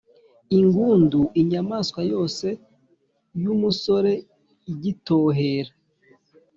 ingûndu: inyamaswa yose y’umusore, igitohera